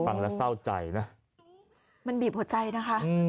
ฟังแล้วเศร้าใจนะมันบีบหัวใจนะคะ